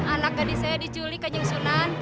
anak gadis saya diculik kanjeng sunan